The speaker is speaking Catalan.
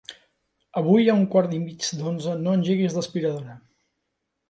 Avui a un quart i mig d'onze no engeguis l'aspiradora.